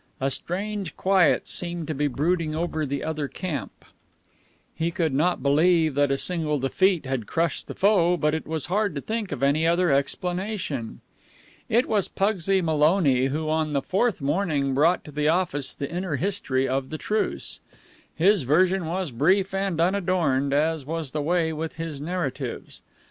A strange quiet seemed to be brooding over the other camp. He could not believe that a single defeat had crushed the foe, but it was hard to think of any other explanation. It was Pugsy Maloney who, on the fourth morning, brought to the office the inner history of the truce. His version was brief and unadorned, as was the way with his narratives.